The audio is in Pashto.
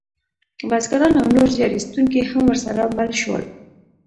بزګران او نور زیار ایستونکي هم ورسره مل شول.